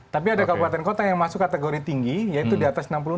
tapi ada kabupaten kota yang masuk kategori tinggi yaitu di atas enam puluh enam